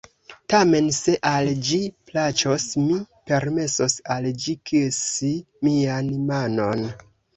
"Tamen se al ĝi plaĉos, mi permesos al ĝi kisi mian manon."